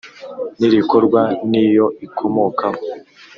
N irikorwa n iyo ikomokaho